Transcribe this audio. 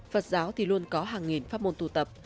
phật giáo thì luôn có hàng nghìn pháp môn tụ tập